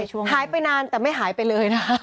หายไปนานแต่ไม่หายไปเลยนะ